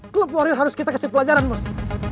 klub warrior harus kita kasih pelajaran mas